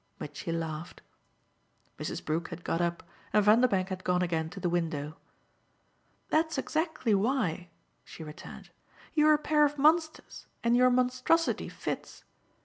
Mitchy laughed. Mrs. Brook had got up and Vanderbank had gone again to the window. "That's exactly why," she returned. "You're a pair of monsters and your monstrosity fits.